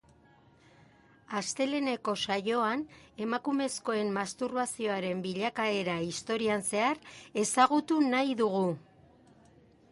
Asteleheneko saioan, emakumezkoen masturbazioaren bilakaera historian zehar ezagutu nahi dugu.